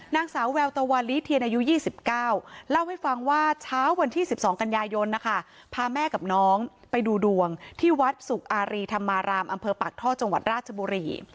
นางสาวแววตะวันลีเทียนอายุ๒๙เล่าให้ฟังว่าเช้าวันที่๑๒กันยายนนะคะพาแม่กับน้องไปดูดวงที่วัดสุกอารีธรรมารามอำเภอปากท่อจังหวัดราชบุรี